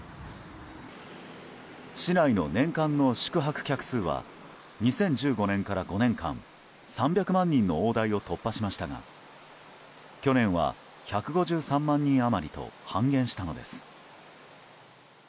市内の年間の宿泊客数は２０１５年から５年間３００万人の大台を突破しましたが去年は１５３万人余りと半減したのです。